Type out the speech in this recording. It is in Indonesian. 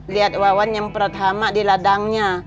lihat wawan nyemprot hama di ladangnya